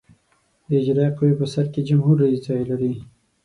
د اجرائیه قوې په سر کې جمهور رئیس ځای لري.